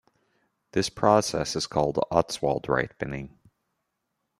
This is a process called Ostwald ripening.